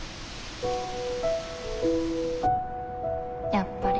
やっぱり。